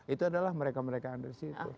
itu adalah mereka mereka yang ada disitu